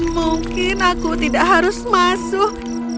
mungkin aku tidak harus masuk